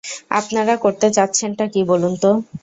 আপনারা করতে চাচ্ছেনটা কী বলুন তো?